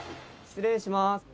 失礼します！